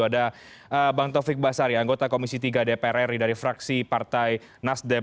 ada bang taufik basari anggota komisi tiga dpr ri dari fraksi partai nasdem